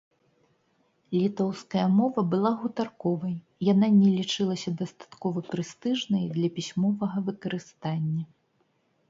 Літоўская мова была гутарковай, яна не лічылася дастаткова прэстыжнай для пісьмовага выкарыстання.